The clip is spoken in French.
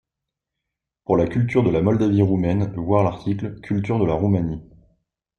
Pour la culture de la Moldavie roumaine, voir l'article Culture de la Roumanie.